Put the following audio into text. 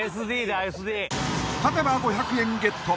［勝てば５００円ゲット。